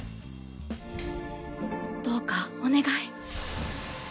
どうかお願い。